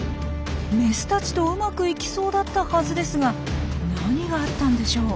メスたちとうまくいきそうだったはずですが何があったんでしょう？